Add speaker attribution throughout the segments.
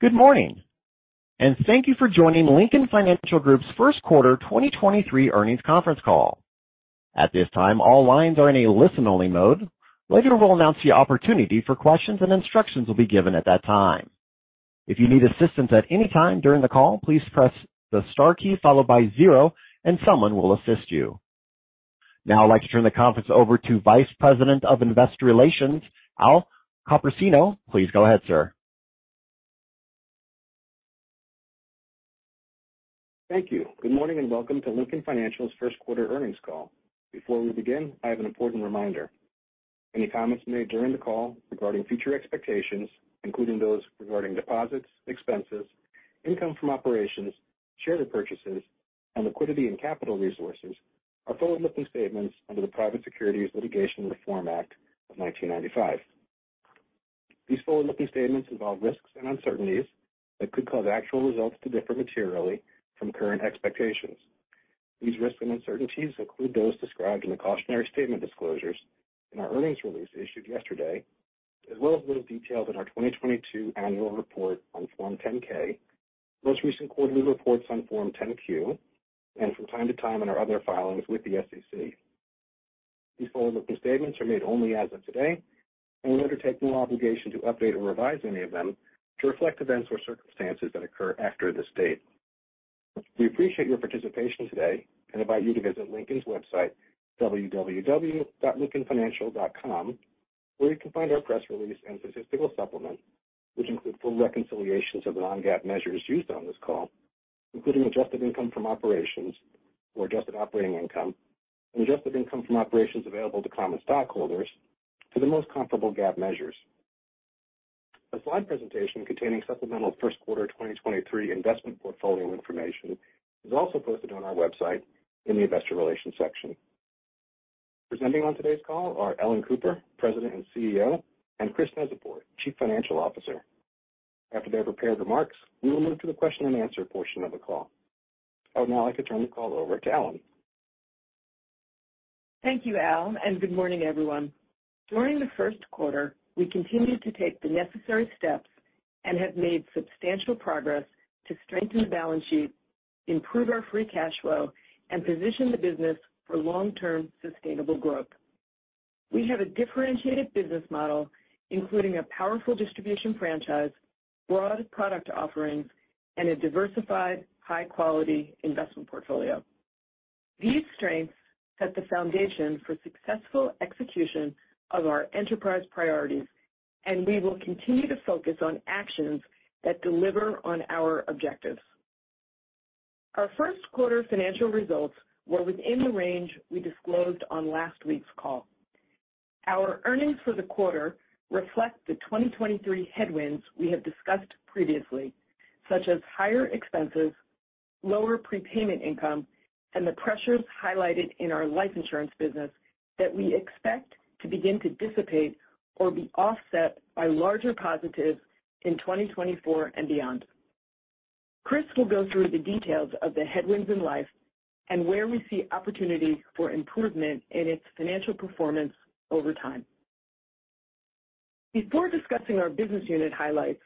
Speaker 1: Good morning, and thank you for joining Lincoln Financial Group's first quarter 2023 earnings conference call. At this time, all lines are in a listen-only mode. Later, we'll announce the opportunity for questions and instructions will be given at that time. If you need assistance at any time during the call, please press the star key followed by zero, and someone will assist you. Now I'd like to turn the conference over to Vice President of Investor Relations, Al Copersino. Please go ahead, sir.
Speaker 2: Thank you. Good morning and welcome to Lincoln Financial's first quarter earnings call. Before we begin, I have an important reminder. Any comments made during the call regarding future expectations, including those regarding deposits, expenses, income from operations, share repurchases, and liquidity and capital resources, are forward-looking statements under the Private Securities Litigation Reform Act of 1995. These forward-looking statements involve risks and uncertainties that could cause actual results to differ materially from current expectations. These risks and uncertainties include those described in the cautionary statement disclosures in our earnings release issued yesterday, as well as those detailed in our 2022 annual report on Form 10-K, most recent quarterly reports on Form 10-Q, and from time to time in our other filings with the SEC. These forward-looking statements are made only as of today, and we undertake no obligation to update or revise any of them to reflect events or circumstances that occur after this date. We appreciate your participation today and invite you to visit Lincoln's website, www.lincolnfinancial.com, where you can find our press release and statistical supplement, which include full reconciliations of non-GAAP measures used on this call, including adjusted income from operations or adjusted operating income and adjusted income from operations available to common stockholders to the most comparable GAAP measures. A slide presentation containing supplemental first quarter 2023 investment portfolio information is also posted on our website in the Investor Relations section. Presenting on today's call are Ellen Cooper, President and CEO, and Chris Neczypor, Chief Financial Officer. After their prepared remarks, we will move to the question and answer portion of the call.I would now like to turn the call over to Ellen.
Speaker 3: Thank you, Al. Good morning, everyone. During the first quarter, we continued to take the necessary steps and have made substantial progress to strengthen the balance sheet, improve our free cash flow, and position the business for long-term sustainable growth. We have a differentiated business model, including a powerful distribution franchise, broad product offerings, and a diversified, high-quality investment portfolio. These strengths set the foundation for successful execution of our enterprise priorities. We will continue to focus on actions that deliver on our objectives. Our first quarter financial results were within the range we disclosed on last week's call. Our earnings for the quarter reflect the 2023 headwinds we have discussed previously, such as higher expenses, lower prepayment income, and the pressures highlighted in our life insurance business that we expect to begin to dissipate or be offset by larger positives in 2024 and beyond. Chris will go through the details of the headwinds in Life and where we see opportunities for improvement in its financial performance over time. Before discussing our business unit highlights,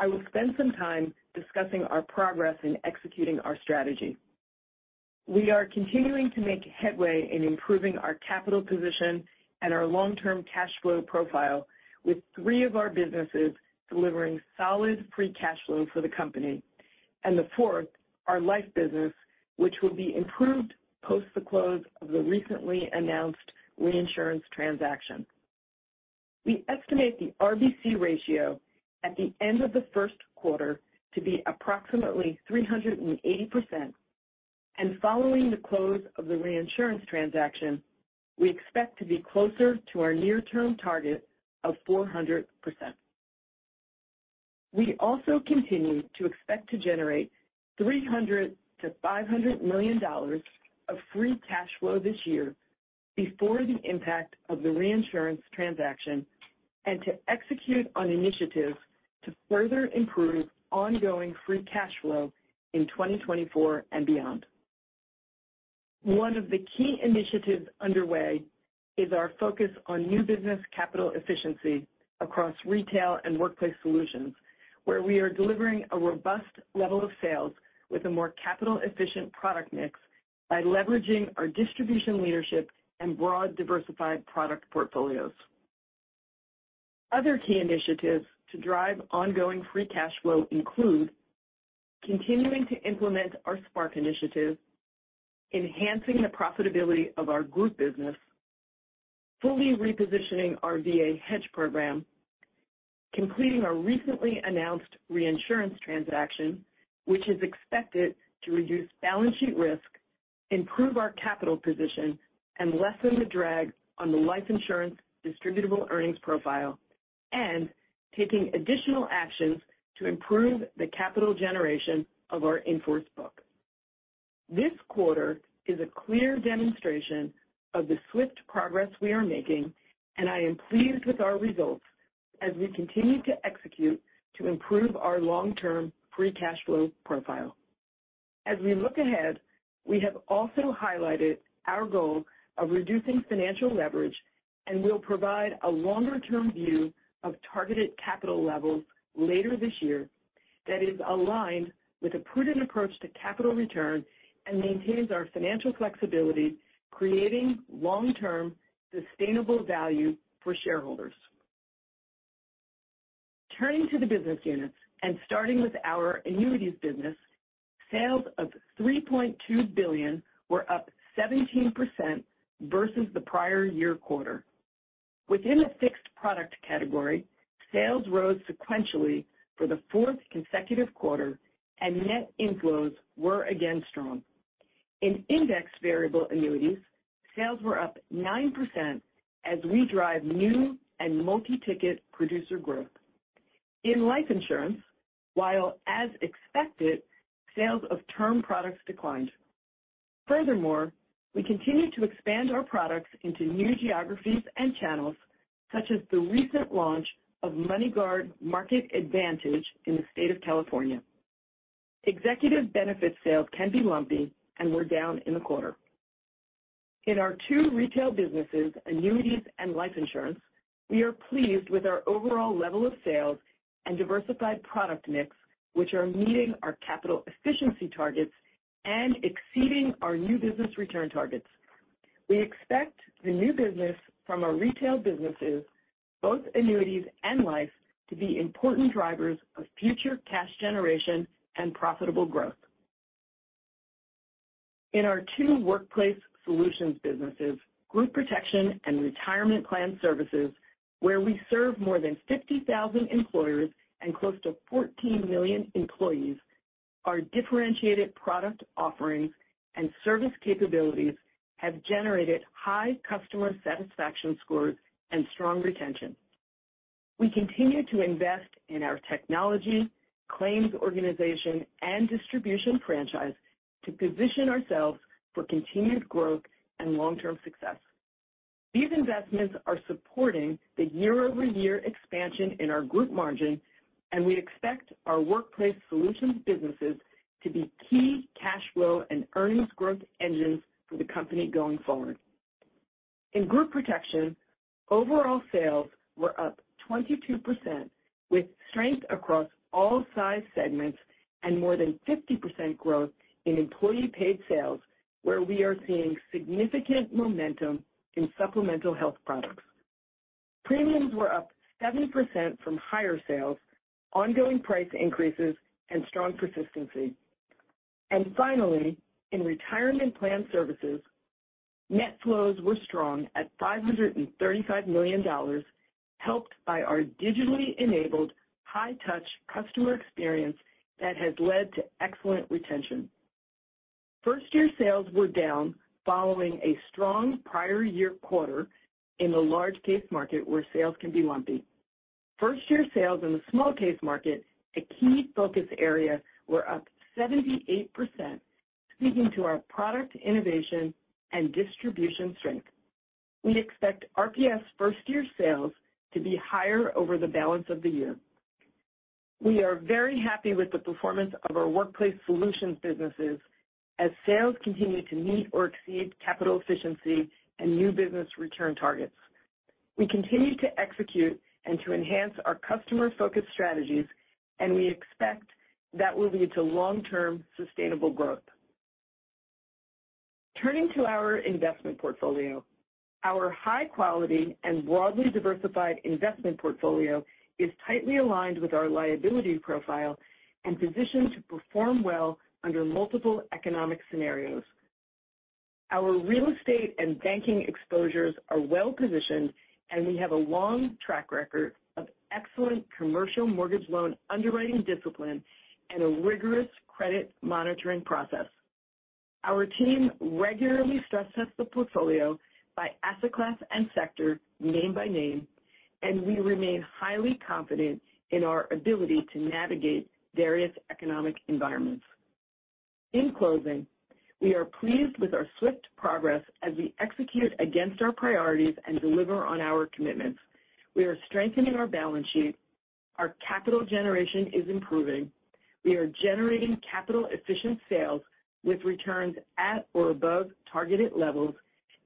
Speaker 3: I will spend some time discussing our progress in executing our strategy. We are continuing to make headway in improving our capital position and our long-term cash flow profile with three of our businesses delivering solid free cash flow for the company, and the fourth, our Life business, which will be improved post the close of the recently announced reinsurance transaction. We estimate the RBC ratio at the end of the first quarter to be approximately 380%. Following the close of the reinsurance transaction, we expect to be closer to our near-term target of 400%. We also continue to expect to generate $300 million-$500 million of free cash flow this year before the impact of the reinsurance transaction and to execute on initiatives to further improve ongoing free cash flow in 2024 and beyond. One of the key initiatives underway is our focus on new business capital efficiency across Retail and Workplace Solutions, where we are delivering a robust level of sales with a more capital-efficient product mix by leveraging our distribution leadership and broad diversified product portfolios. Other key initiatives to drive ongoing free cash flow include continuing to implement our Spark initiative, enhancing the profitability of our Group business, fully repositioning our VA hedge program, completing our recently announced reinsurance transaction, which is expected to reduce balance sheet risk, improve our capital position, and lessen the drag on the life insurance distributable earnings profile, and taking additional actions to improve the capital generation of our in-force book. This quarter is a clear demonstration of the swift progress we are making, and I am pleased with our results as we continue to execute to improve our long-term free cash flow profile. As we look ahead, we have also highlighted our goal of reducing financial leverage, and we'll provide a longer-term view of targeted capital levels later this year that is aligned with a prudent approach to capital return and maintains our financial flexibility, creating long-term sustainable value for shareholders. Turning to the business units and starting with our annuities business, sales of $3.2 billion were up 17% versus the prior year quarter. Within the fixed product category, sales rose sequentially for the fourth consecutive quarter, and net inflows were again strong. In index variable annuities, sales were up 9% as we drive new and multi-ticket producer growth. In life insurance, while as expected, sales of term products declined. Furthermore, we continue to expand our products into new geographies and channels, such as the recent launch of MoneyGuard Market Advantage in the state of California. Executive benefit sales can be lumpy, and we're down in the quarter. In our two retail businesses, annuities and life insurance, we are pleased with our overall level of sales and diversified product mix, which are meeting our capital efficiency targets and exceeding our new business return targets. We expect the new business from our retail businesses, both annuities and life, to be important drivers of future cash generation and profitable growth. In our two Workplace Solutions businesses, Group Protection and Retirement Plan Services, where we serve more than 50,000 employers and close to 14 million employees, our differentiated product offerings and service capabilities have generated high customer satisfaction scores and strong retention. We continue to invest in our technology, claims organization, and distribution franchise to position ourselves for continued growth and long-term success. These investments are supporting the year-over-year expansion in our group margin, and we expect our Workplace Solutions businesses to be key cash flow and earnings growth engines for the company going forward. In Group Protection, overall sales were up 22% with strength across all size segments and more than 50% growth in employee-paid sales, where we are seeing significant momentum in supplemental health products. Premiums were up 7% from higher sales, ongoing price increases, and strong persistency. Finally, in Retirement Plan Services, net flows were strong at $535 million, helped by our digitally enabled high-touch customer experience that has led to excellent retention. First-year sales were down following a strong prior year quarter in the large case market where sales can be lumpy. First year sales in the small case market, a key focus area, were up 78%, speaking to our product innovation and distribution strength. We expect RPS first-year sales to be higher over the balance of the year. We are very happy with the performance of our Workplace Solutions businesses as sales continue to meet or exceed capital efficiency and new business return targets. We continue to execute and to enhance our customer-focused strategies. We expect that will lead to long-term sustainable growth. Turning to our investment portfolio, our high quality and broadly diversified investment portfolio is tightly aligned with our liability profile and positioned to perform well under multiple economic scenarios. Our real estate and banking exposures are well-positioned, and we have a long track record of excellent commercial mortgage loan underwriting discipline and a rigorous credit monitoring process. Our team regularly stress tests the portfolio by asset class and sector, name by name, and we remain highly confident in our ability to navigate various economic environments. In closing, we are pleased with our swift progress as we execute against our priorities and deliver on our commitments. We are strengthening our balance sheet, our capital generation is improving, we are generating capital-efficient sales with returns at or above targeted levels,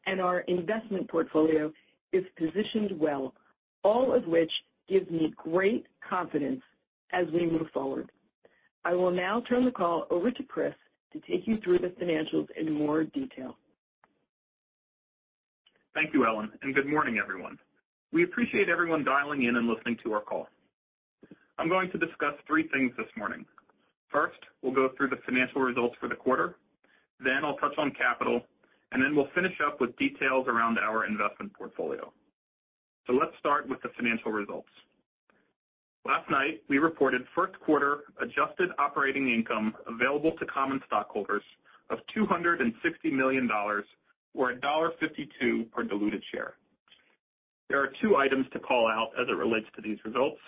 Speaker 3: and our investment portfolio is positioned well, all of which gives me great confidence as we move forward. I will now turn the call over to Chris to take you through the financials in more detail.
Speaker 4: Thank you, Ellen. Good morning, everyone. We appreciate everyone dialing in and listening to our call. I'm going to discuss 3 things this morning. First, we'll go through the financial results for the quarter. I'll touch on capital, and then we'll finish up with details around our investment portfolio. Let's start with the financial results. Last night, we reported first quarter adjusted operating income available to common stockholders of $260 million or $1.52 per diluted share. There are 2 items to call out as it relates to these results.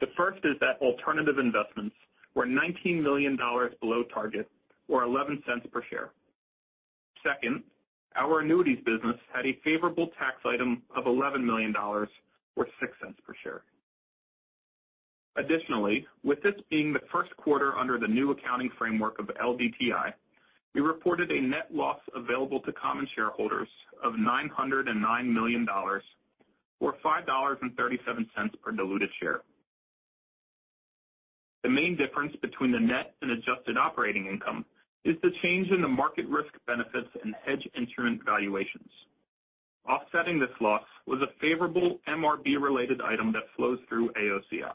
Speaker 4: The first is that alternative investments were $19 million below target or $0.11 per share. Second, our annuities business had a favorable tax item of $11 million or $0.06 per share. Additionally, with this being the first quarter under the new accounting framework of LDTI, we reported a net loss available to common shareholders of $909 million or $5.37 per diluted share. The main difference between the net and adjusted operating income is the change in the market risk benefits and hedge instrument valuations. Offsetting this loss was a favorable MRB related item that flows through AOCI.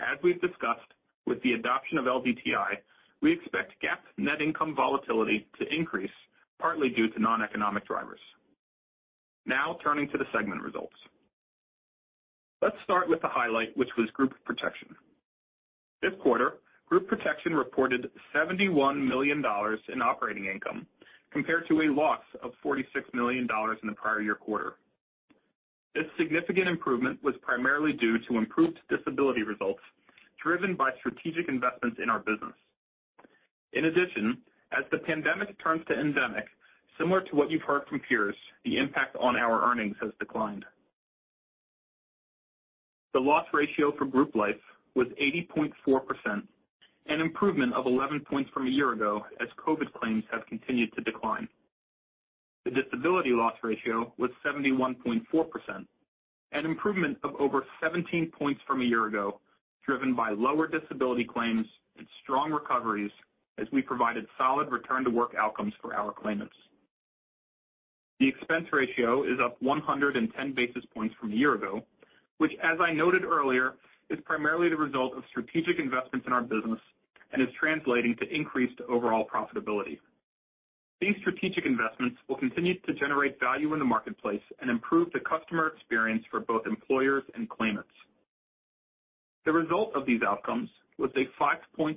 Speaker 4: As we've discussed with the adoption of LDTI, we expect GAAP net income volatility to increase partly due to noneconomic drivers. Turning to the segment results. Let's start with the highlight, which was Group Protection. This quarter, Group Protection reported $71 million in operating income compared to a loss of $46 million in the prior year quarter. This significant improvement was primarily due to improved disability results, driven by strategic investments in our business. In addition, as the pandemic turns to endemic, similar to what you've heard from peers, the impact on our earnings has declined. The loss ratio for group life was 80.4%, an improvement of 11 points from a year ago as COVID claims have continued to decline. The disability loss ratio was 71.4%, an improvement of over 17 points from a year ago, driven by lower disability claims and strong recoveries as we provided solid return to work outcomes for our claimants. The expense ratio is up 110 basis points from a year ago, which as I noted earlier, is primarily the result of strategic investments in our business and is translating to increased overall profitability. These strategic investments will continue to generate value in the marketplace and improve the customer experience for both employers and claimants. The result of these outcomes was a 5.6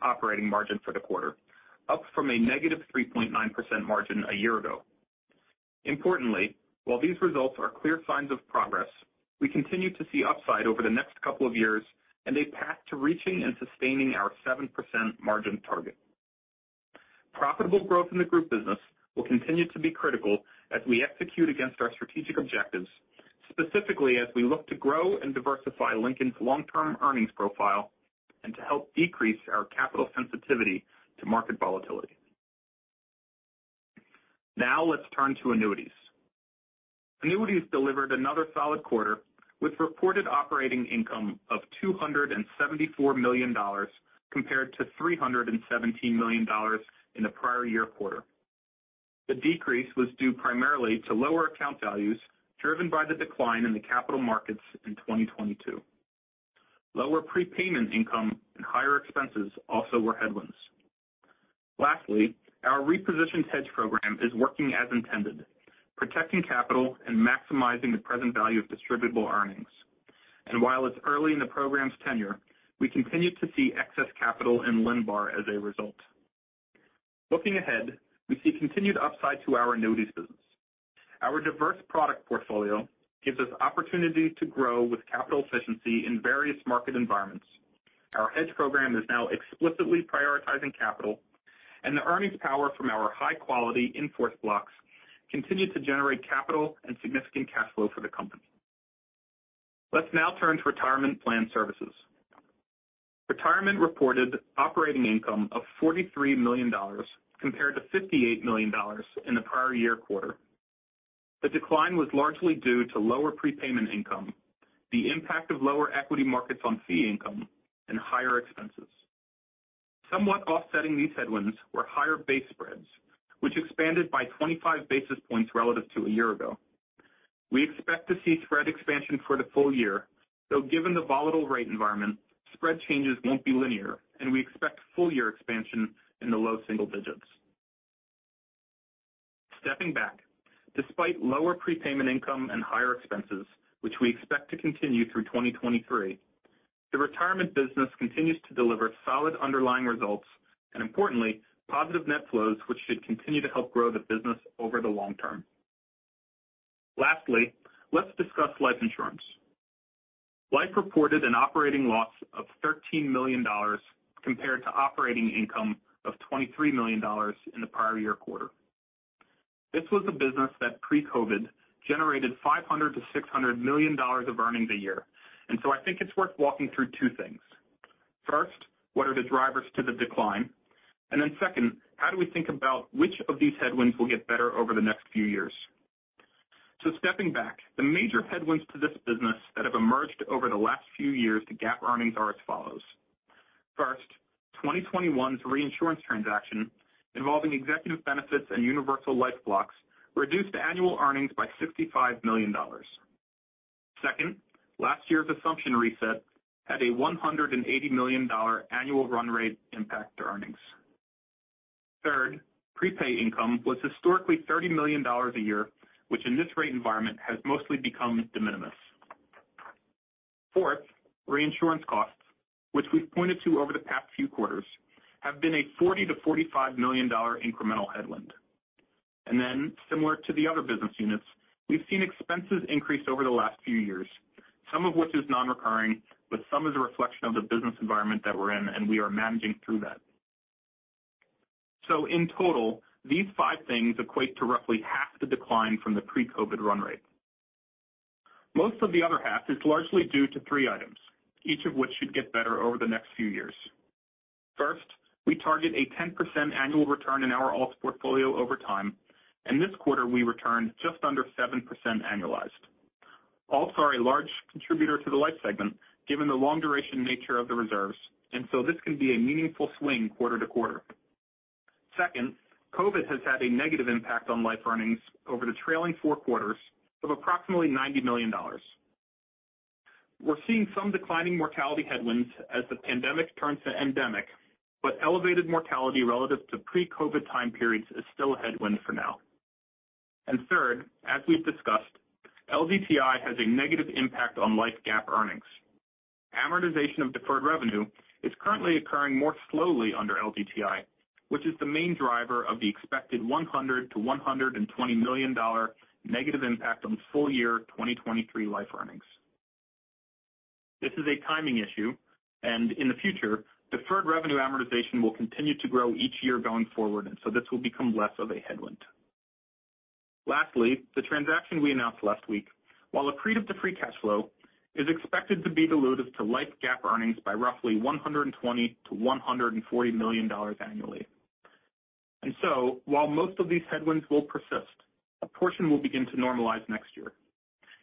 Speaker 4: operating margin for the quarter, up from a negative 3.9 margin a year ago. Importantly, while these results are clear signs of progress, we continue to see upside over the next couple of years and a path to reaching and sustaining our 7% margin target. Profitable growth in the group business will continue to be critical as we execute against our strategic objectives, specifically as we look to grow and diversify Lincoln's long-term earnings profile and to help decrease our capital sensitivity to market volatility. Let's turn to annuities. Annuities delivered another solid quarter with reported operating income of $274 million compared to $317 million in the prior year quarter. The decrease was due primarily to lower account values driven by the decline in the capital markets in 2022. Lower prepayment income and higher expenses also were headwinds. Lastly, our repositioned hedge program is working as intended, protecting capital and maximizing the present value of distributable earnings. While it's early in the program's tenure, we continue to see excess capital in LINBAR as a result. Looking ahead, we see continued upside to our annuities business. Our diverse product portfolio gives us opportunity to grow with capital efficiency in various market environments. Our hedge program is now explicitly prioritizing capital, and the earnings power from our high quality in-force blocks continue to generate capital and significant cash flow for the company. Let's now turn to Retirement Plan Services. Retirement reported operating income of $43 million compared to $58 million in the prior year quarter. The decline was largely due to lower prepayment income, the impact of lower equity markets on fee income, and higher expenses. Somewhat offsetting these headwinds were higher base spreads, which expanded by 25 basis points relative to a year ago. We expect to see spread expansion for the full year, though given the volatile rate environment, spread changes won't be linear, and we expect full year expansion in the low single digits. Stepping back, despite lower prepayment income and higher expenses, which we expect to continue through 2023, the retirement business continues to deliver solid underlying results and importantly, positive net flows which should continue to help grow the business over the long term. Lastly, let's discuss life insurance. Life reported an operating loss of $13 million compared to operating income of $23 million in the prior year quarter. This was a business that pre-COVID generated $500 million-$600 million of earnings a year. I think it's worth walking through two things. First, what are the drivers to the decline? Second, how do we think about which of these headwinds will get better over the next few years? Stepping back, the major headwinds to this business that have emerged over the last few years to GAAP earnings are as follows. First, 2021's reinsurance transaction involving executive benefits and universal life blocks reduced annual earnings by $65 million. Second, last year's assumption reset had a $180 million annual run rate impact to earnings. Third, prepay income was historically $30 million a year, which in this rate environment has mostly become de minimis. Fourth, reinsurance costs, which we've pointed to over the past few quarters, have been a $40 million-$45 million incremental headwind. Similar to the other business units, we've seen expenses increase over the last few years, some of which is non-recurring, but some is a reflection of the business environment that we're in, and we are managing through that. In total, these 5 things equate to roughly half the decline from the pre-COVID run rate. Most of the other half is largely due to 3 items, each of which should get better over the next few years. First, we target a 10% annual return in our alt portfolio over time, and this quarter we returned just under 7% annualized. Alts are a large contributor to the life segment given the long duration nature of the reserves, and so this can be a meaningful swing quarter to quarter. Second, COVID has had a negative impact on life earnings over the trailing 4 quarters of approximately $90 million. We're seeing some declining mortality headwinds as the pandemic turns to endemic, but elevated mortality relative to pre-COVID time periods is still a headwind for now. Third, as we've discussed, LDTI has a negative impact on life GAAP earnings. Amortization of deferred revenue is currently occurring more slowly under LDTI, which is the main driver of the expected $100 million-$120 million negative impact on full year 2023 life earnings. This is a timing issue. In the future, deferred revenue amortization will continue to grow each year going forward, so this will become less of a headwind. Lastly, the transaction we announced last week, while accretive to free cash flow, is expected to be dilutive to life GAAP earnings by roughly $120 million-$140 million annually. While most of these headwinds will persist, a portion will begin to normalize next year.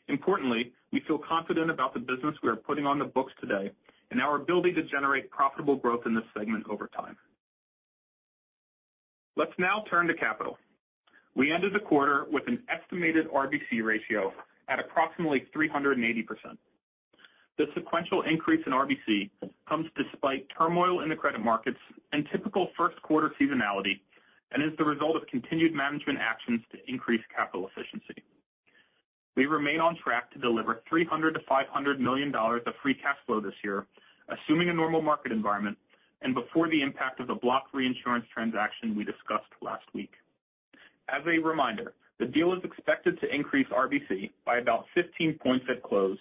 Speaker 4: Importantly, we feel confident about the business we are putting on the books today and our ability to generate profitable growth in this segment over time. Let's now turn to capital. We ended the quarter with an estimated RBC ratio at approximately 380%. The sequential increase in RBC comes despite turmoil in the credit markets and typical first quarter seasonality and is the result of continued management actions to increase capital efficiency. We remain on track to deliver $300 million-$500 million of free cash flow this year, assuming a normal market environment and before the impact of the block reinsurance transaction we discussed last week. As a reminder, the deal is expected to increase RBC by about 15 points at close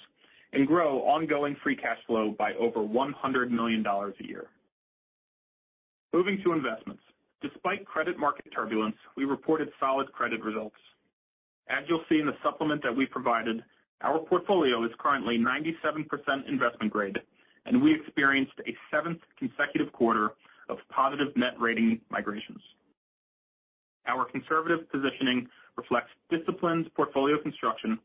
Speaker 4: and grow ongoing free cash flow by over $100 million a year. Moving to investments. Despite credit market turbulence, we reported solid credit results. As you'll see in the supplement that we provided, our portfolio is currently 97% investment grade, and we experienced a seventh consecutive quarter of positive net rating migrations. Our conservative positioning reflects disciplined portfolio construction,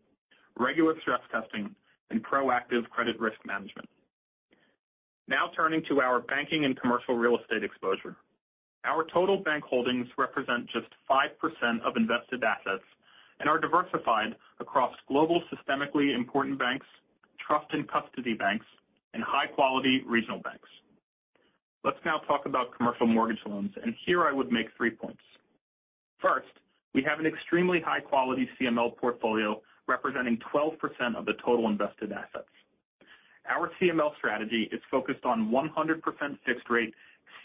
Speaker 4: regular stress testing, and proactive credit risk management. Now turning to our banking and commercial real estate exposure. Our total bank holdings represent just 5% of invested assets and are diversified across global systemically important banks, trust and custody banks, and high-quality regional banks. Let's now talk about commercial mortgage loans. Here I would make 3 points. First, we have an extremely high-quality CML portfolio representing 12% of the total invested assets. Our CML strategy is focused on 100% fixed-rate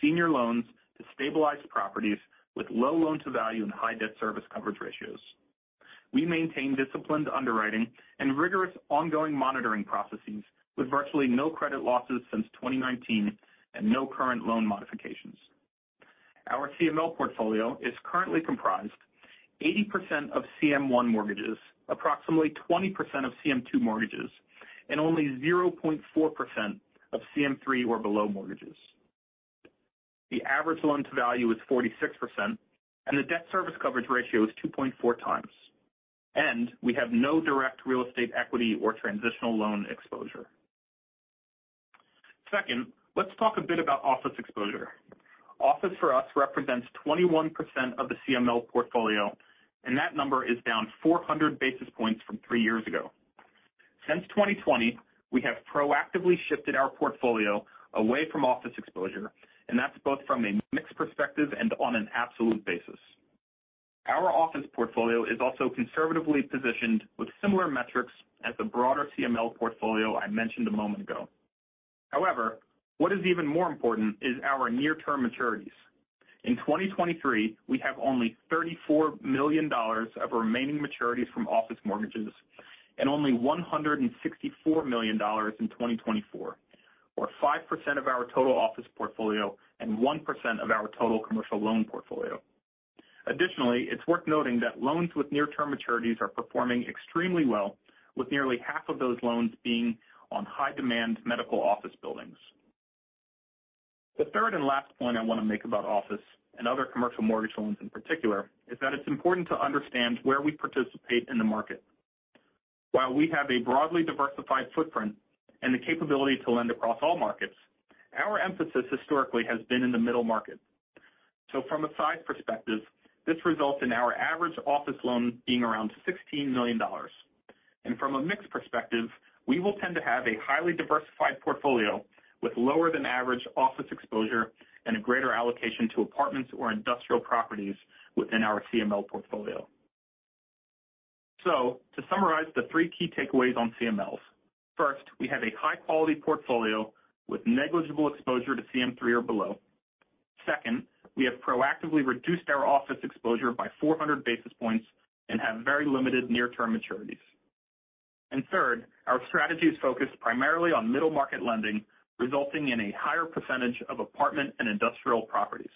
Speaker 4: senior loans to stabilized properties with low loan-to-value and high debt service coverage ratios. We maintain disciplined underwriting and rigorous ongoing monitoring processes with virtually no credit losses since 2019 and no current loan modifications. Our CML portfolio is currently comprised 80% of CM1 mortgages, approximately 20% of CM2 mortgages, and only 0.4% of CM3 or below mortgages. The average loan-to-value is 46% and the debt service coverage ratio is 2.4 times. We have no direct real estate equity or transitional loan exposure. Second, let's talk a bit about office exposure. Office for us represents 21% of the CML portfolio. That number is down 400 basis points from 3 years ago. Since 2020, we have proactively shifted our portfolio away from office exposure. That's both from a mix perspective and on an absolute basis. Our office portfolio is also conservatively positioned with similar metrics as the broader CML portfolio I mentioned a moment ago. However, what is even more important is our near-term maturities. In 2023, we have only $34 million of remaining maturities from office mortgages. Only $164 million in 2024, or 5% of our total office portfolio and 1% of our total commercial loan portfolio. It's worth noting that loans with near-term maturities are performing extremely well with nearly half of those loans being on high-demand medical office buildings. The third and last point I want to make about office and other commercial mortgage loans in particular is that it's important to understand where we participate in the market. While we have a broadly diversified footprint and the capability to lend across all markets, our emphasis historically has been in the middle market. From a size perspective, this results in our average office loan being around $16 million. From a mix perspective, we will tend to have a highly diversified portfolio with lower than average office exposure and a greater allocation to apartments or industrial properties within our CML portfolio. To summarize the three key takeaways on CMLs. First, we have a high-quality portfolio with negligible exposure to CM3 or below. Second, we have proactively reduced our office exposure by 400 basis points and have very limited near-term maturities. Third, our strategy is focused primarily on middle market lending, resulting in a higher percentage of apartment and industrial properties.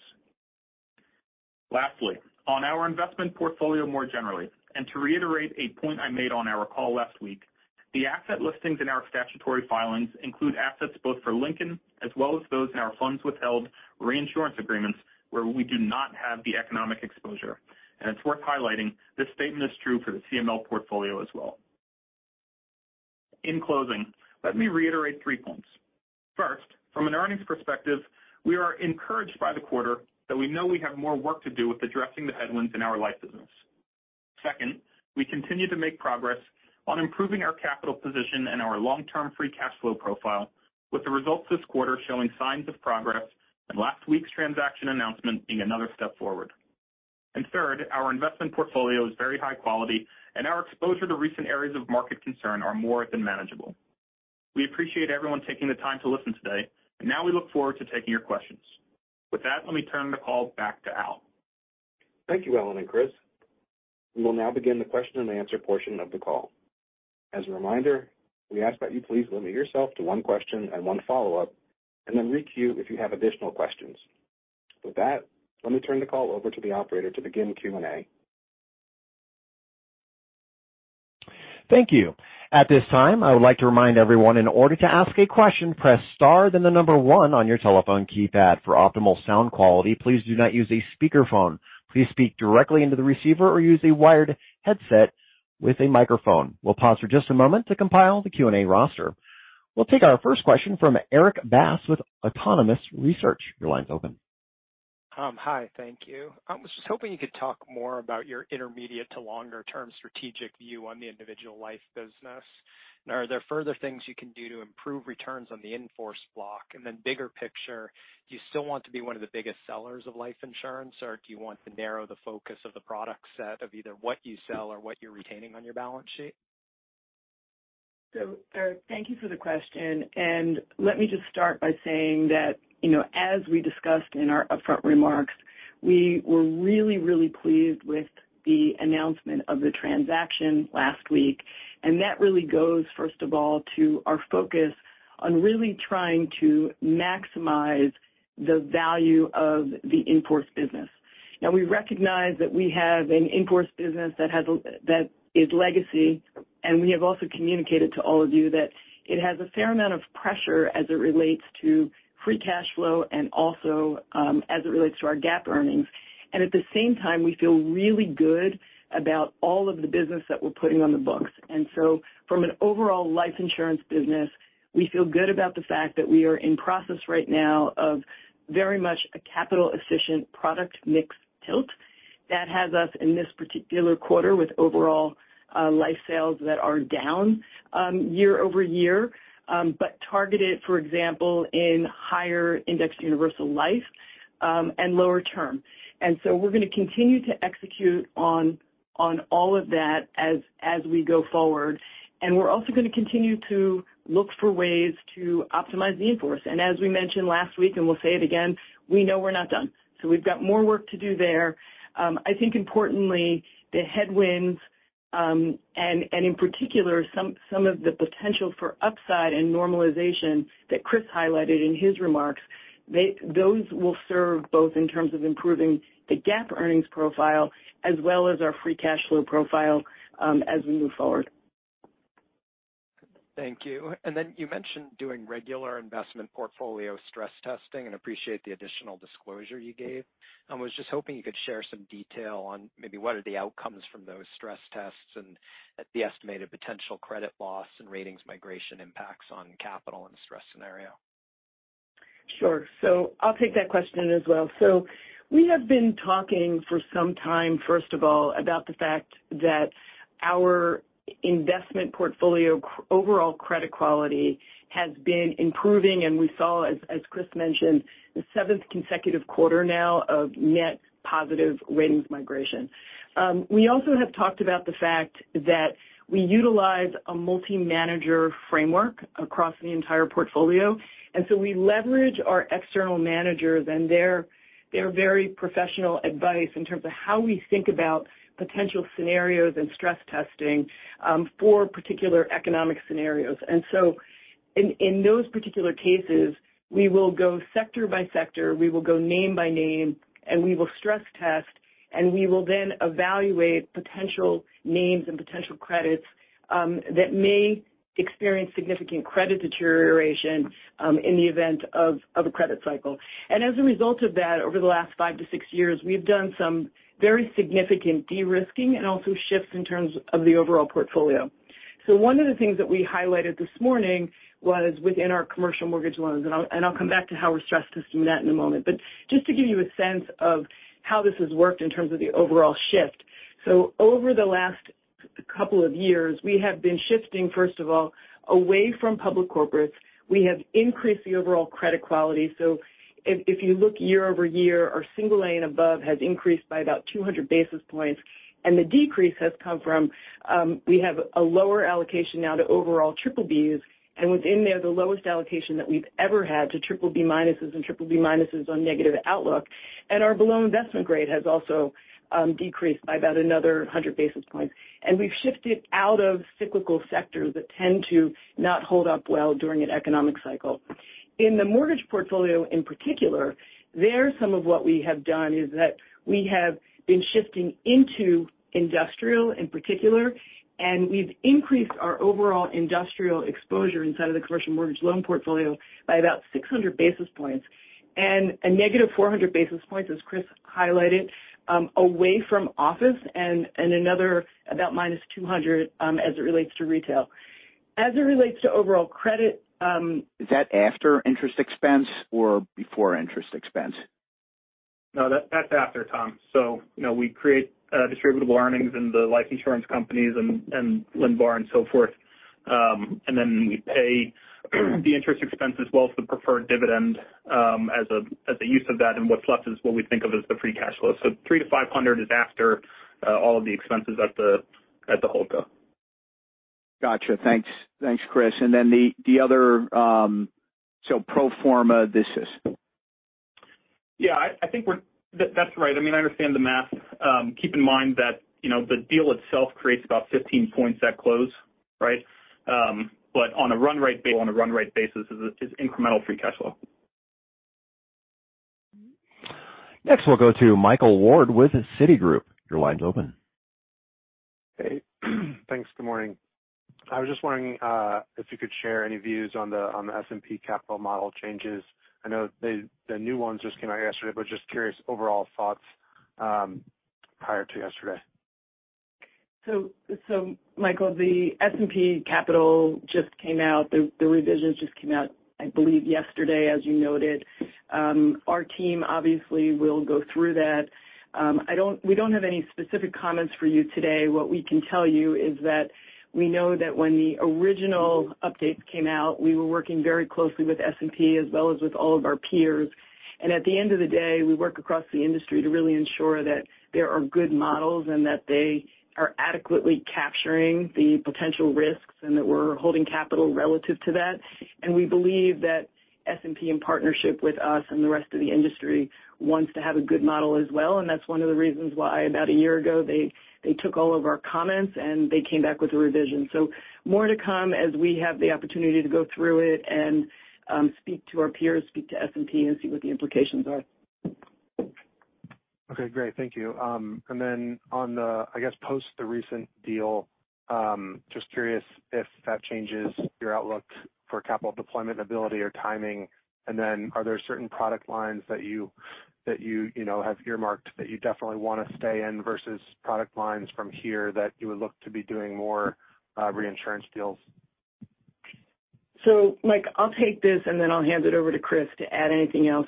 Speaker 4: Lastly, on our investment portfolio more generally, and to reiterate a point I made on our call last week, the asset listings in our statutory filings include assets both for Lincoln as well as those in our funds withheld reinsurance agreements where we do not have the economic exposure. It's worth highlighting, this statement is true for the CML portfolio as well. In closing, let me reiterate three points. First, from an earnings perspective, we are encouraged by the quarter that we know we have more work to do with addressing the headwinds in our life business. Second, we continue to make progress on improving our capital position and our long-term free cash flow profile, with the results this quarter showing signs of progress and last week's transaction announcement being another step forward. Third, our investment portfolio is very high quality, and our exposure to recent areas of market concern are more than manageable. We appreciate everyone taking the time to listen today, and now we look forward to taking your questions. With that, let me turn the call back to Al.
Speaker 2: Thank you, Ellen and Chris. We'll now begin the question-and-answer portion of the call. As a reminder, we ask that you please limit yourself to one question and one follow-up, and then re-queue if you have additional questions. With that, let me turn the call over to the operator to begin Q&A.
Speaker 1: Thank you. At this time, I would like to remind everyone in order to ask a question, press Star, then the number one on your telephone keypad. For optimal sound quality, please do not use a speakerphone. Please speak directly into the receiver or use a wired headset with a microphone. We'll pause for just a moment to compile the Q&A roster. We'll take our first question from Erik Bass with Autonomous Research. Your line's open.
Speaker 5: Hi, thank you. I was just hoping you could talk more about your intermediate to longer term strategic view on the individual life business. Are there further things you can do to improve returns on the in-force block? Bigger picture, do you still want to be one of the biggest sellers of life insurance, or do you want to narrow the focus of the product set of either what you sell or what you're retaining on your balance sheet?
Speaker 3: Erik, thank you for the question, and let me just start by saying that as we discussed in our upfront remarks, we were really, really pleased with the announcement of the transaction last week. That really goes, first of all, to our focus on really trying to maximize the value of the in-force business. Now we recognize that we have an in-force business that is legacy, and we have also communicated to all of you that it has a fair amount of pressure as it relates to free cash flow and also, as it relates to our GAAP earnings. At the same time, we feel really good about all of the business that we're putting on the books. From an overall life insurance business, we feel good about the fact that we are in process right now of very much a capital efficient product mix tilt that has us in this particular quarter with overall life sales that are down year-over-year, but targeted, for example, in higher indexed universal life and lower term. We're gonna continue to execute on all of that as we go forward. We're also gonna continue to look for ways to optimize the in-force. As we mentioned last week, and we'll say it again, we know we're not done. We've got more work to do there. I think importantly, the headwinds, and in particular some of the potential for upside and normalization that Chris highlighted in his remarks, those will serve both in terms of improving the GAAP earnings profile as well as our free cash flow profile, as we move forward.
Speaker 5: Thank you. You mentioned doing regular investment portfolio stress testing and appreciate the additional disclosure you gave. I was just hoping you could share some detail on maybe what are the outcomes from those stress tests and the estimated potential credit loss and ratings migration impacts on capital and stress scenario?
Speaker 3: Sure. I'll take that question as well. We have been talking for some time, first of all, about the fact that our investment portfolio overall credit quality has been improving, and we saw as Chris mentioned, the 7th consecutive quarter now of net positive ratings migration. We also have talked about the fact that we utilize a multi-manager framework across the entire portfolio, and so we leverage our external managers and their very professional advice in terms of how we think about potential scenarios and stress testing for particular economic scenarios. In those particular cases, we will go sector by sector, we will go name by name, and we will stress test, and we will then evaluate potential names and potential credits that may experience significant credit deterioration in the event of a credit cycle. As a result of that, over the last 5-6 years, we've done some very significant de-risking and also shifts in terms of the overall portfolio. One of the things that we highlighted this morning was within our commercial mortgage loans, and I'll come back to how we're stress testing that in a moment. Just to give you a sense of how this has worked in terms of the overall shift. Over the last couple of years, we have been shifting, first of all, away from public corporates. We have increased the overall credit quality. If you look year over year, our single A and above has increased by about 200 basis points, and the decrease has come from we have a lower allocation now to overall triple Bs. Within there, the lowest allocation that we've ever had to BBB- and BBB- on negative outlook. Our below investment grade has also decreased by about another 100 basis points. We've shifted out of cyclical sectors that tend to not hold up well during an economic cycle. In the mortgage portfolio in particular, there some of what we have done is that we have been shifting into industrial in particular, and we've increased our overall industrial exposure inside of the commercial mortgage loan portfolio by about 600 basis points. A negative 400 basis points, as Chris highlighted, away from office and another about minus 200 as it relates to retail. As it relates to overall credit,
Speaker 5: Is that after interest expense or before interest expense?
Speaker 4: No, that's after, Tom. You know, we create distributable earnings in the life insurance companies and LINBAR and so forth. Then we pay the interest expense as well as the preferred dividend as the use of that, and what's left is what we think of as the free cash flow. $300-$500 is after all of the expenses at the holdco.
Speaker 5: Gotcha. Thanks. Thanks, Chris. Then the other, so pro forma, this is.
Speaker 4: Yeah, I think we're. That's right. I mean, I understand the math. Keep in mind that the deal itself creates about 15 points at close, right? On a run rate basis is incremental free cash flow.
Speaker 1: Next, we'll go to Michael Ward with Citigroup. Your line's open.
Speaker 6: Hey. Thanks. Good morning. I was just wondering if you could share any views on the S&P capital model changes. I know the new ones just came out yesterday, but just curious overall thoughts prior to yesterday.
Speaker 3: Michael, the S&P capital just came out. The revisions just came out, I believe yesterday, as you noted. Our team obviously will go through that. We don't have any specific comments for you today. What we can tell you is that we know that when the original update came out, we were working very closely with S&P as well as with all of our peers. At the end of the day, we work across the industry to really ensure that there are good models and that they are adequately capturing the potential risks and that we're holding capital relative to that. We believe that S&P, in partnership with us and the rest of the industry, wants to have a good model as well, that's one of the reasons why about a year ago, they took all of our comments and they came back with a revision. More to come as we have the opportunity to go through it and speak to our peers, speak to S&P and see what the implications are.
Speaker 6: Okay, great. Thank you. On the, I guess, post the recent deal, just curious if that changes your outlook for capital deployment ability or timing. Are there certain product lines that you know, have earmarked that you definitely wanna stay in versus product lines from here that you would look to be doing more, reinsurance deals?
Speaker 3: Mike, I'll take this, and then I'll hand it over to Chris to add anything else.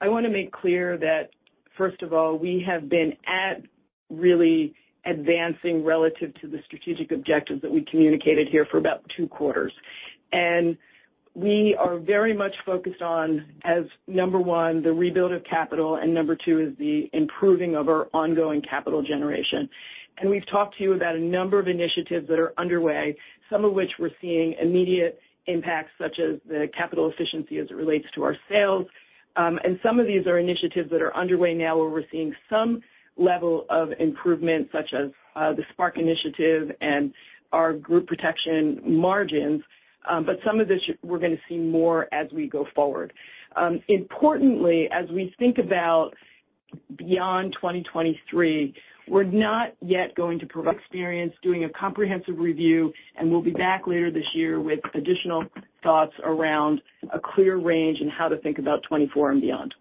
Speaker 3: I wanna make clear that first of all, we have been at really advancing relative to the strategic objectives that we communicated here for about two quarters. We are very much focused on, as number one, the rebuild of capital, and number two is the improving of our ongoing capital generation. We've talked to you about a number of initiatives that are underway, some of which we're seeing immediate impacts, such as the capital efficiency as it relates to our sales. Some of these are initiatives that are underway now where we're seeing some level of improvement, such as the Spark initiative and our group protection margins. Some of this we're gonna see more as we go forward. Importantly, as we think about beyond 2023, we're not yet going to provide experience doing a comprehensive review, and we'll be back later this year with additional thoughts around a clear range and how to think about 2024 and beyond.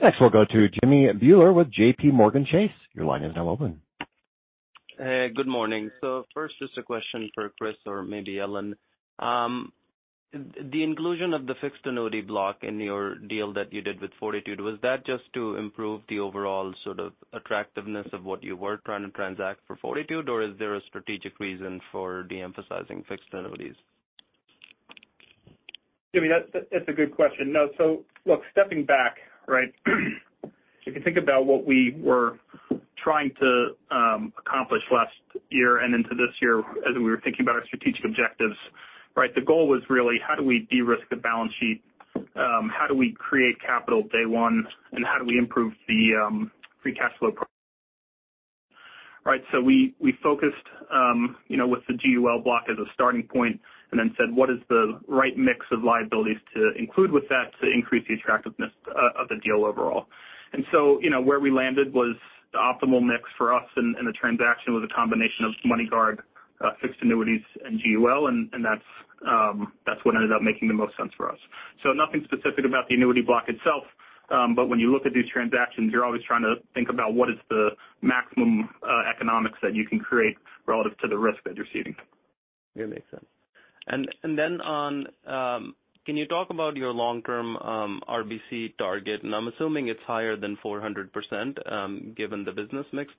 Speaker 1: Next, we'll go to Jimmy Bhullar with JPMorgan Chase. Your line is now open.
Speaker 7: Hey, good morning. First, just a question for Chris or maybe Ellen. The inclusion of the fixed annuity block in your deal that you did with Fortitude, was that just to improve the overall sort of attractiveness of what you were trying to transact for Fortitude, or is there a strategic reason for de-emphasizing fixed annuities?
Speaker 4: Jimmy, that's a good question. No. Look, stepping back, right? If you think about what we were trying to accomplish last year and into this year as we were thinking about our strategic objectives, right? The goal was really how do we de-risk the balance sheet, how do we create capital day one, and how do we improve the free cash flow? Right. We, we focused with the GUL block as a starting point and then said, what is the right mix of liabilities to include with that to increase the attractiveness of the deal overall? You know, where we landed was the optimal mix for us. The transaction was a combination of MoneyGuard, fixed annuities and GUL, and that's what ended up making the most sense for us. Nothing specific about the annuity block itself. When you look at these transactions, you're always trying to think about what is the maximum economics that you can create relative to the risk that you're seeding.
Speaker 8: It makes sense. Then on, can you talk about your long-term RBC target? I'm assuming it's higher than 400%, given the business mix.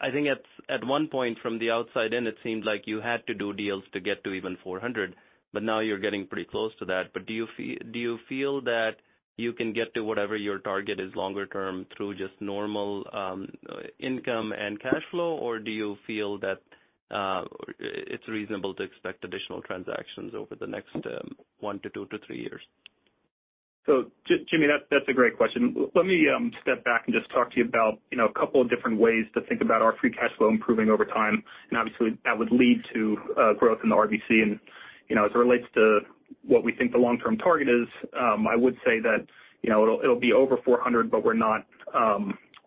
Speaker 8: I think at one point from the outside in, it seemed like you had to do deals to get to even 400, but now you're getting pretty close to that. Do you feel that you can get to whatever your target is longer term through just normal income and cash flow, or do you feel that it's reasonable to expect additional transactions over the next 1 to 2 to 3 years?
Speaker 4: Jimmy, that's a great question. Let me step back and just talk to you about a couple of different ways to think about our free cash flow improving over time, and obviously that would lead to growth in the RBC. You know, as it relates to what we think the long-term target is, I would say that it'll be over 400, but we're not,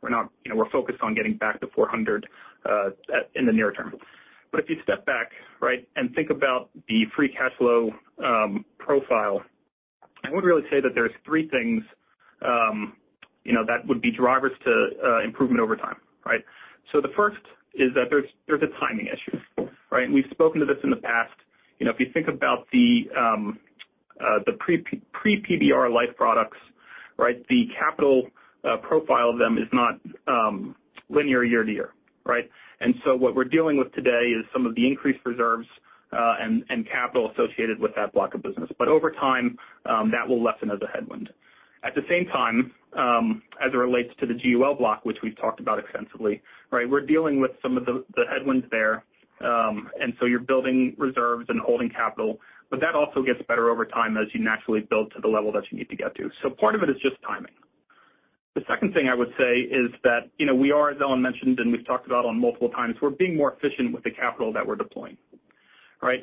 Speaker 4: we're focused on getting back to 400 at, in the near term. If you step back, right, and think about the free cash flow profile, I would really say that there's three things that would be drivers to improvement over time, right? The first is that there's a timing issue, right? We've spoken to this in the past. You know, if you think about the pre-PBR life products, right, the capital profile of them is not linear year to year. What we're dealing with today is some of the increased reserves and capital associated with that block of business. Over time, that will lessen as a headwind. At the same time, as it relates to the GUL block, which we've talked about extensively, right, we're dealing with some of the headwinds there. You're building reserves and holding capital, but that also gets better over time as you naturally build to the level that you need to get to. Part of it is just timing. The second thing I would say is that we are, as Ellen mentioned, and we've talked about on multiple times, we're being more efficient with the capital that we're deploying, right?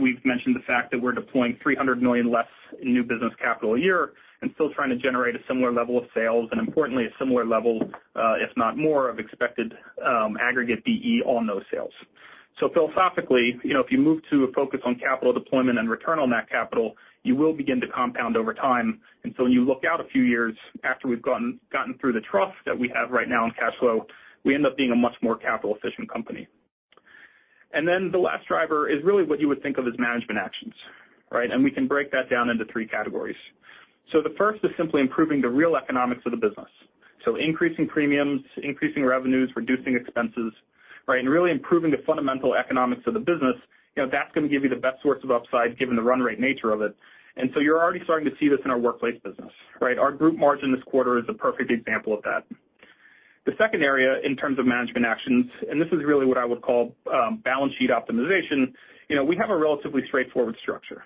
Speaker 4: We've mentioned the fact that we're deploying $300 million less in new business capital a year and still trying to generate a similar level of sales and importantly, a similar level, if not more, of expected aggregate BE on those sales. philosophically if you move to a focus on capital deployment and return on that capital, you will begin to compound over time. When you look out a few years after we've gotten through the trough that we have right now in cash flow, we end up being a much more capital-efficient company. The last driver is really what you would think of as management actions, right? We can break that down into 3 categories. The first is simply improving the real economics of the business. Increasing premiums, increasing revenues, reducing expenses, right? Really improving the fundamental economics of the business that's gonna give you the best source of upside given the run rate nature of it. You're already starting to see this in our workplace business, right? Our group margin this quarter is a perfect example of that. The second area in terms of management actions, and this is really what I would call, balance sheet optimization we have a relatively straightforward structure.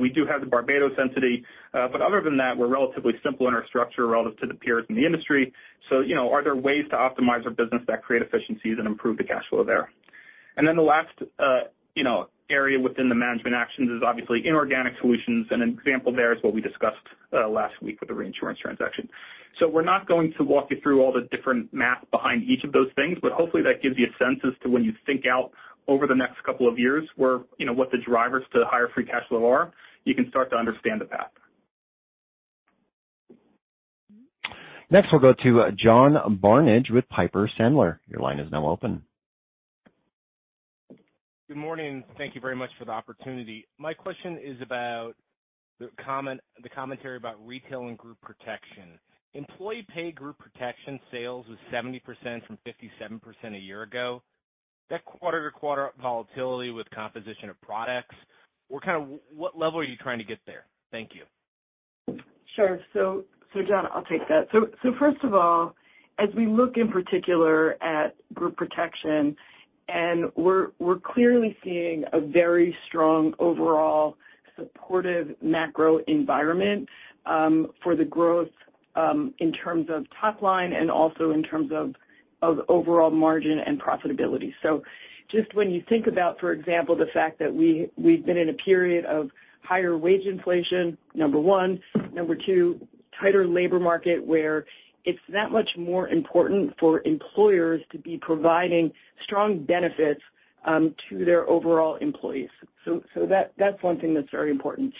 Speaker 4: We do have the Barbados entity, but other than that, we're relatively simple in our structure relative to the peers in the industry. You know, are there ways to optimize our business that create efficiencies and improve the cash flow there? The last area within the management actions is obviously inorganic solutions. An example there is what we discussed last week with the reinsurance transaction. We're not going to walk you through all the different math behind each of those things, but hopefully that gives you a sense as to when you think out over the next couple of years where what the drivers to higher free cash flow are, you can start to understand the path.
Speaker 1: Next, we'll go to John Barnidge with Piper Sandler. Your line is now open.
Speaker 9: Good morning, thank you very much for the opportunity. My question is about the commentary about retail and group protection. Employee pay group protection sales is 70% from 57% a year ago. That quarter-to-quarter volatility with composition of products, what level are you trying to get there? Thank you.
Speaker 3: Sure. John, I'll take that. First of all, as we look in particular at group protection, and we're clearly seeing a very strong overall supportive macro environment for the growth in terms of top line and also in terms of overall margin and profitability. Just when you think about, for example, the fact that we've been in a period of higher wage inflation, number 1. Number 2, tighter labor market, where it's that much more important for employers to be providing strong benefits to their overall employees. That's one thing that's very important.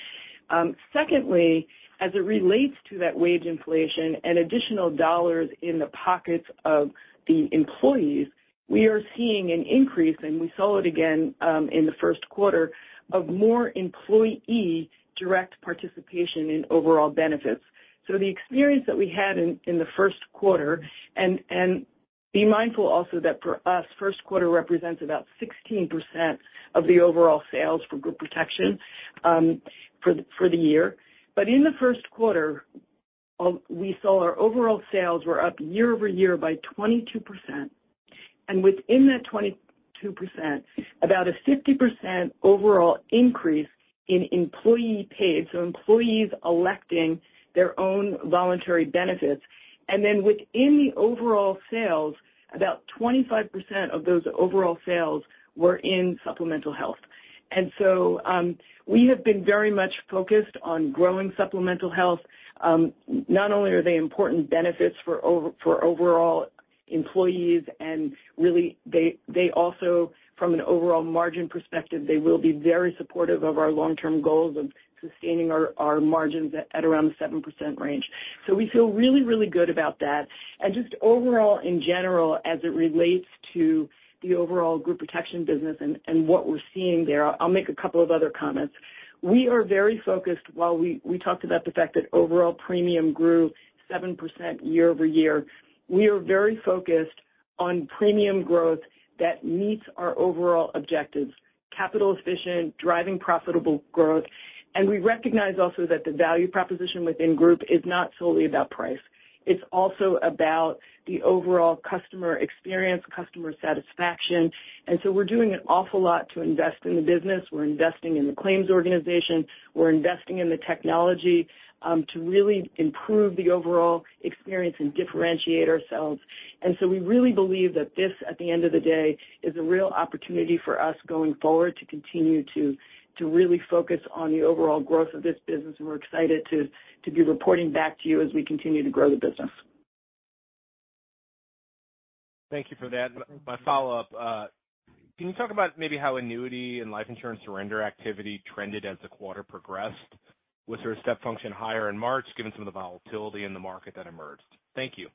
Speaker 3: Secondly, as it relates to that wage inflation and additional dollars in the pockets of the employees, we are seeing an increase, and we saw it again in the first quarter, of more employee direct participation in overall benefits. The experience that we had in the first quarter, and be mindful also that for us, first quarter represents about 16% of the overall sales for group protection, for the year. In the first quarter, we saw our overall sales were up year-over-year by 22%. Within that 22%, about a 50% overall increase in employee paid, so employees electing their own voluntary benefits. Then within the overall sales, about 25% of those overall sales were in supplemental health. We have been very much focused on growing supplemental health. Not only are they important benefits for overall employees, and really they also, from an overall margin perspective, they will be very supportive of our long-term goals of sustaining our margins at around the 7% range. We feel really, really good about that. Just overall, in general, as it relates to the overall group protection business and what we're seeing there, I'll make a couple of other comments. We are very focused. While we talked about the fact that overall premium grew 7% year over year, we are very focused on premium growth that meets our overall objectives, capital efficient, driving profitable growth. We recognize also that the value proposition within group is not solely about price. It's also about the overall customer experience, customer satisfaction. We're doing an awful lot to invest in the business. We're investing in the claims organization, we're investing in the technology, to really improve the overall experience and differentiate ourselves.
Speaker 10: We really believe that this, at the end of the day, is a real opportunity for us going forward to continue to really focus on the overall growth of this business, and we're excited to be reporting back to you as we continue to grow the business. Thank you for that. My follow-up, can you talk about maybe how annuity and life insurance surrender activity trended as the quarter progressed? Was there a step function higher in March given some of the volatility in the market that emerged? Thank you.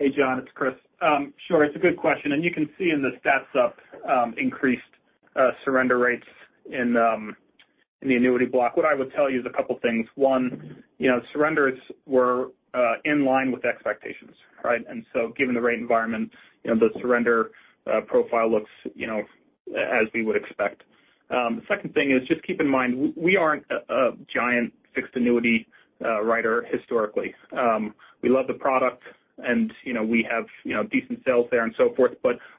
Speaker 4: Hey, John, it's Chris. Sure, it's a good question, and you can see in the stats up increased surrender rates in the annuity block. What I would tell you is a couple things. one surrenders were in line with expectations, right? Given the rate environment the surrender profile looks as we would expect. The second thing is just keep in mind, we aren't a giant fixed annuity writer historically. We love the product and we have decent sales there and so forth.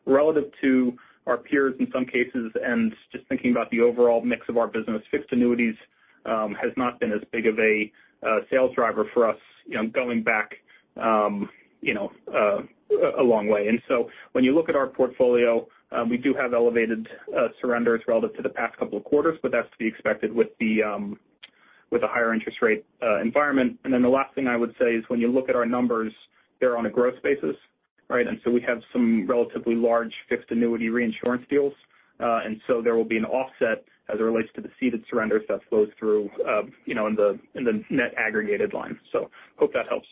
Speaker 4: Relative to our peers in some cases and just thinking about the overall mix of our business, fixed annuities has not been as big of a sales driver for us, going back a long way. When you look at our portfolio, we do have elevated surrenders relative to the past couple of quarters, but that's to be expected with the higher interest rate environment. The last thing I would say is, when you look at our numbers, they're on a growth basis, right? We have some relatively large fixed annuity reinsurance deals. There will be an offset as it relates to the ceded surrenders that flows through in the net aggregated line. Hope that helps.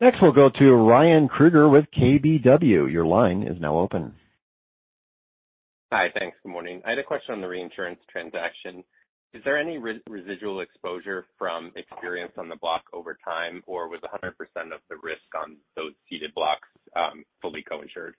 Speaker 1: Next, we'll go to Ryan Krueger with KBW. Your line is now open.
Speaker 11: Hi. Thanks. Good morning. I had a question on the reinsurance transaction. Is there any residual exposure from experience on the block over time, or was 100% of the risk on those ceded blocks fully co-insured?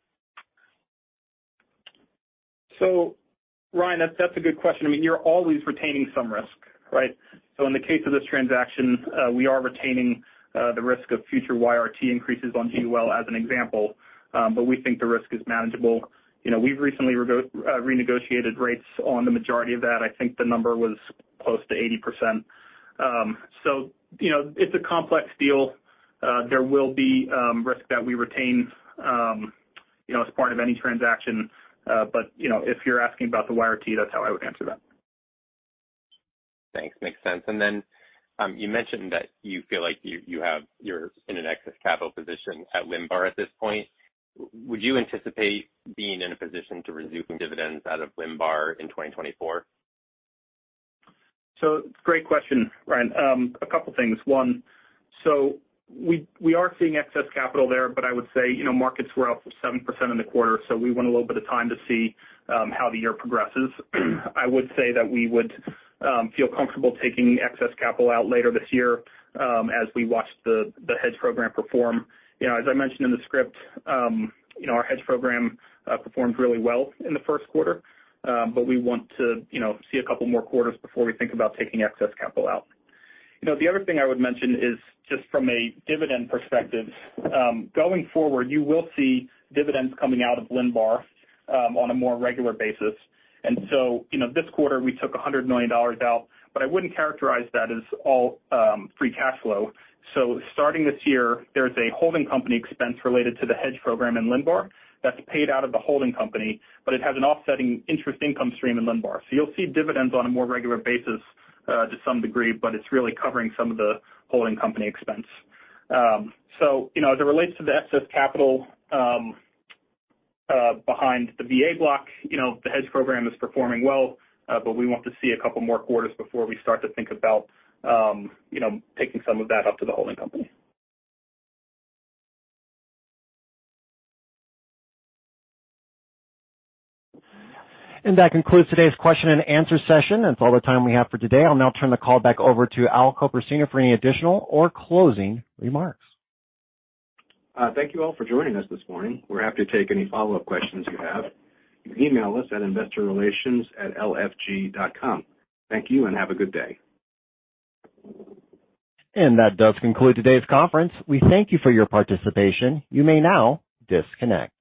Speaker 4: Ryan, that's a good question. I mean, you're always retaining some risk, right? In the case of this transaction, we are retaining the risk of future YRT increases on GUL as an example. We think the risk is manageable. You know, we've recently renegotiated rates on the majority of that. I think the number was close to 80%. You know, it's a complex deal. There will be risk that we retain as part of any transaction. You know, if you're asking about the YRT, that's how I would answer that.
Speaker 11: Thanks. Makes sense. Then, you mentioned that you feel like you're in an excess capital position at LINBAR at this point. Would you anticipate being in a position to resume dividends out of LINBAR in 2024?
Speaker 4: Great question, Ryan. A couple things. One, so we are seeing excess capital there, but I would say markets were up 7% in the quarter, so we want a little bit of time to see how the year progresses. I would say that we would feel comfortable taking excess capital out later this year, as we watch the hedge program perform. You know, as I mentioned in the script our hedge program performed really well in the first quarter. We want to see a couple more quarters before we think about taking excess capital out. You know, the other thing I would mention is just from a dividend perspective, going forward, you will see dividends coming out of LINBAR on a more regular basis. you know, this quarter, we took $100 million out, but I wouldn't characterize that as all free cash flow. starting this year, there's a holding company expense related to the hedge program in LINBAR that's paid out of the holding company, but it has an offsetting interest income stream in LINBAR. you'll see dividends on a more regular basis to some degree, but it's really covering some of the holding company expense. you know, as it relates to the excess capital behind the VA block the hedge program is performing well, but we want to see a couple more quarters before we start to think about taking some of that up to the holding company.
Speaker 1: That concludes today's question and answer session. That's all the time we have for today. I'll now turn the call back over to Al Copersino for any additional or closing remarks.
Speaker 3: Thank you all for joining us this morning. We're happy to take any follow-up questions you have. You can email us at investorrelations@lfg.com. Thank you and have a good day.
Speaker 1: That does conclude today's conference. We thank you for your participation. You may now disconnect.